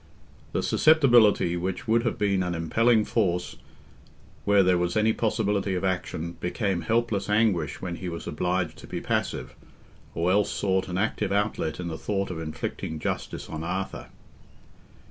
The susceptibility which would have been an impelling force where there was any possibility of action became helpless anguish when he was obliged to be passive, or else sought an active outlet in the thought of inflicting justice on Arthur.